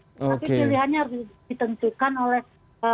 pilihannya harus ditentukan oleh